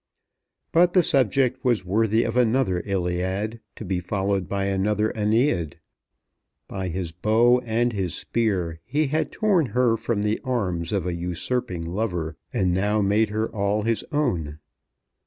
But the subject was worthy of another Iliad, to be followed by another Æneid. By his bow and his spear he had torn her from the arms of a usurping lover, and now made her all his own.